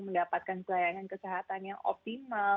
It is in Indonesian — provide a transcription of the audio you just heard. mendapatkan pelayanan kesehatan yang optimal